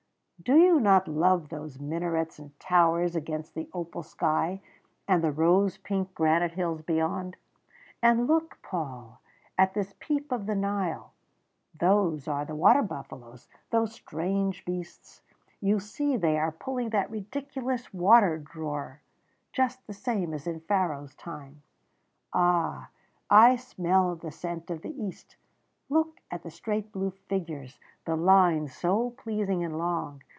"Do you not love those minarets and towers against the opal sky, and the rose pink granite hills beyond? And look, Paul, at this peep of the Nile those are the water buffaloes those strange beasts you see they are pulling that ridiculous water drawer just the same as in Pharaoh's time. Ah! I smell the scent of the East. Look at the straight blue figures, the lines so pleasing and long.